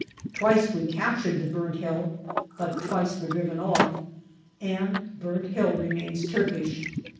Twice we captured the Burnt Hill, but twice were driven off, and Burnt Hill remains Turkish.